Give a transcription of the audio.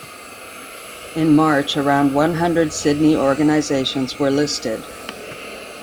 In March, around one hundred Sydney organisations were listed.